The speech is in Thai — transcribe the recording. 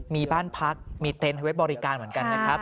มีบ้านพักมีเต็นต์ให้ไว้บริการเหมือนกันนะครับ